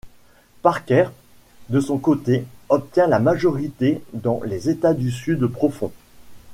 Parker de son côté obtient la majorité dans les États du Sud profond.